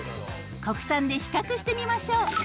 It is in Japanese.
国産で比較してみましょう。